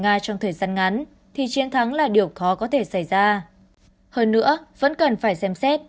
nga trong thời gian ngắn thì chiến thắng là điều khó có thể xảy ra hơn nữa vẫn cần phải xem xét